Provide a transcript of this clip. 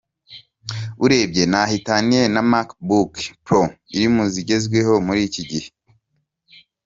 Urebye ntaho itaniye na MacBook Pro iri mu zigezweho muri iki gihe.